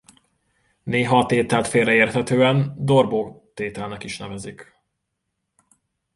Néha a tételt félreérthetően Darboux-tételnek is nevezik.